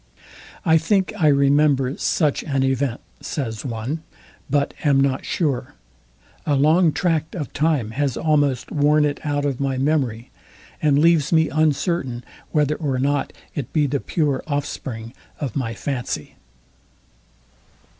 I think, I remember such an event, says one; but am not sure. A long tract of time has almost worn it out of my memory, and leaves me uncertain whether or not it be the pure offspring of my fancy.